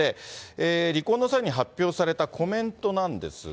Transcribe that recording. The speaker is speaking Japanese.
離婚の際に発表されたコメントなんですが。